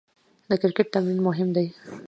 د کرکټ تمرین مهم دئ.